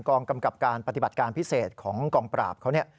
กองกำกับการปฏิบัติการพิเศษของกองปราบเขาเนี่ย